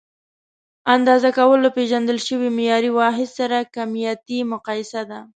اندازه کول له پیژندل شوي معیاري واحد سره کمیتي مقایسه ده.